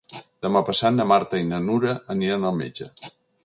Demà passat na Marta i na Nura aniran al metge.